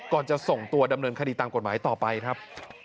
จะส่งตัวดำเนินคดีตามกฎหมายต่อไปครับ